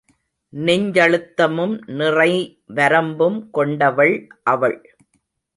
நெஞ்சழுத்தமும் நிறை வரம்பும் கொண்டவள் அவள்.